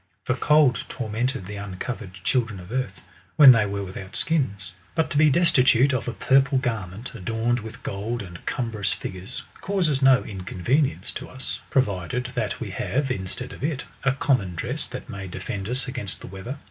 For cold tormented the uncovered children of earth, ivhen they were without skins ; but to be destitute of a purple garment, adorned with gold and cumbrous figures, causes no in convenience to us, provided that we have, instead of it, a com mon dress that may defend tis against the weather.